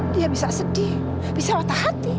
dia bisa sedih bisa otak hati